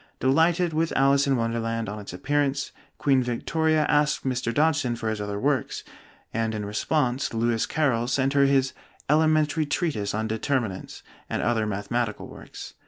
Delighted with 'Alice in Wonderland' on its appearance, Queen Victoria asked Mr. Dodgson for his other works; and in response "Lewis Carroll" sent her his 'Elementary Treatise on Determinants' and other mathematical works.